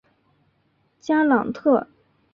加朗特。